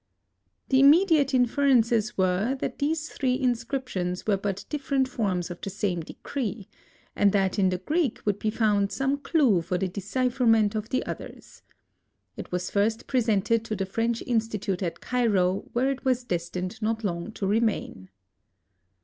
The immediate inferences were that these three inscriptions were but different forms of the same decree, and that in the Greek would be found some clew for the decipherment of the others. It was first presented to the French Institute at Cairo where it was destined not long to remain.